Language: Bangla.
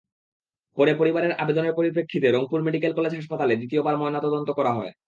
পরে পরিবারের আবেদনের পরিপ্রেক্ষিতে রংপুর মেডিকেল কলেজ হাসপাতালে দ্বিতীয়বার ময়নাতদন্ত করা হয়।